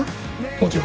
もちろん。